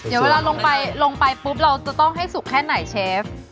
เดี๋ยวเวลาลงไปลงไปปุ๊บเราจะต้องให้สุกแค่ไหนเชฟ